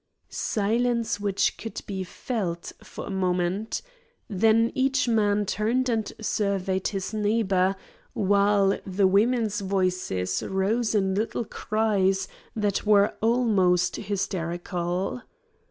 Silence which could be felt for a moment. Then each man turned and surveyed his neighbour, while the women's voices rose in little cries that were almost hysterical.